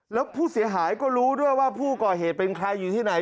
แล้วผู้เสียหายก็รู้ด้วยว่าผู้ก่อเหตุเป็นใครอยู่ที่ไหน